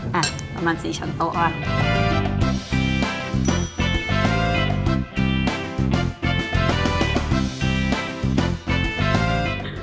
ประมาณ๔ช้อนโต๊ะ